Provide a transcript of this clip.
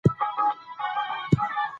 دغه کار به د ژبې د ودې لامل شي.